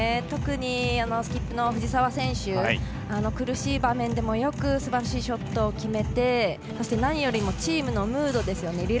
特にスキップの藤澤選手が苦しい場面でもよくすばらしいショットを決めて何よりもチームのムードですよね。